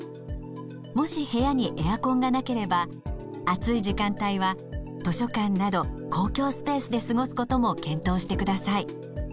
もし部屋にエアコンがなければ暑い時間帯は図書館など公共スペースで過ごすことも検討してください。